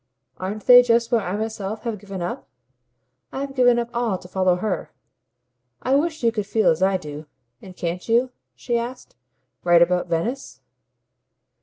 Aren't they just what I myself have given up? I've given up all to follow HER. I wish you could feel as I do. And can't you," she asked, "write about Venice?"